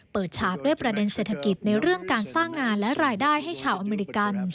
ฉากด้วยประเด็นเศรษฐกิจในเรื่องการสร้างงานและรายได้ให้ชาวอเมริกัน